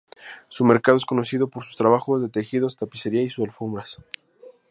Su mercado es conocido por sus trabajos de tejidos, tapicería y sus alfombras.